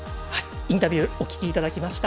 インタビューお聞きいただきました。